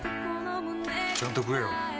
ちゃんと食えよ。